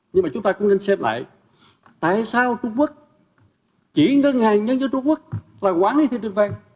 nhưng mà chúng ta cũng nên xem lại tại sao trung quốc chỉ ngân hàng nhân dân trung quốc là quản lý thị trường vàng